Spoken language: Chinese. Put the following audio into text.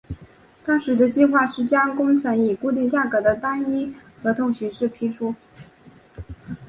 当时的计划是将工程以固定价格的单一合约形式批出。